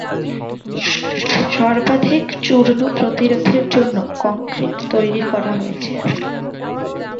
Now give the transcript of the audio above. সর্বাধিক চূর্ণ প্রতিরোধের জন্য কংক্রিট তৈরি করা হয়েছে।